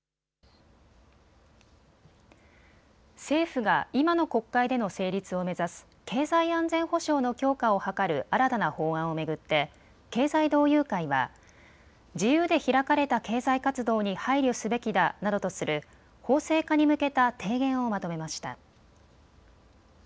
政府が今の国会での成立を目指す経済安全保障の強化を図る新たな法案を巡って経済同友会は自由で開かれた経済活動に配慮すべきだなどとする法制化に向けた提言をまとめました。